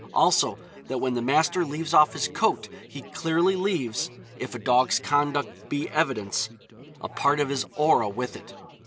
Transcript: Also, that when the master leaves off his coat he clearly leaves if a dog's conduct be evidence a part of his aura with it.